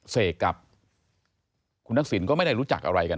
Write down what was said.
เสกกับคุณทักษิณก็ไม่ได้รู้จักอะไรกัน